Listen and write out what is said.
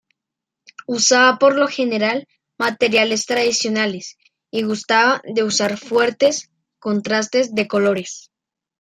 Usaba por lo general materiales tradicionales y gustaba de usar fuertes contrastes de colores.